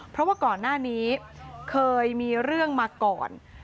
เพราะว่าก่อนหน้านี้เคยมีเรื่องมาก่อน